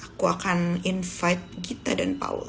aku akan invite kita dan paul